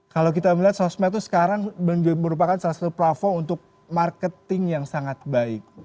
kalau kita melihat sosmed itu sekarang merupakan salah satu platform untuk marketing yang sangat baik